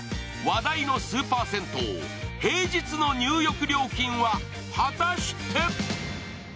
話題のスーパー銭湯、平日の入浴料金は果たして？